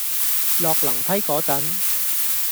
落樓梯嗰陣